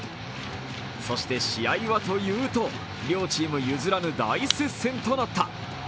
そして試合はというと、両チーム譲らぬ大接戦となった。